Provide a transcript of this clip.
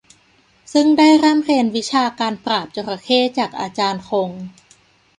ซึ่งได้ร่ำเรียนวิชาการปราบจระเข้จากอาจารย์คง